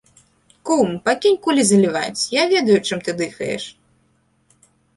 Кум, пакінь кулі заліваць, я ведаю, чым ты дыхаеш.